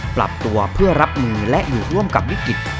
ปรับตัวเพื่อรับมือและอยู่ร่วมกับวิกฤต